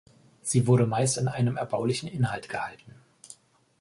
Sie wurde meist in einem erbaulichen Inhalt gehalten.